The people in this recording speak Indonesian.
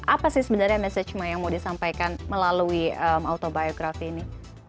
apa sih sebenarnya message yang mau disampaikan melalui autobiografi ini